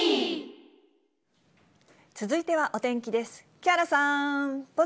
続いてはお天気です。